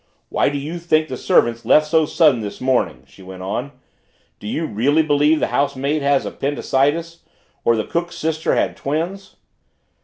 "Why do you think the servants left so sudden this morning?" she went on. "Do you really believe the housemaid had appendicitis? Or the cook's sister had twins?"